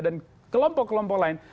dan kelompok kelompok lain